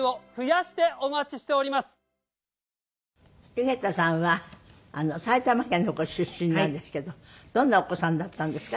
弓削田さんは埼玉県のご出身なんですけどどんなお子さんだったんですか？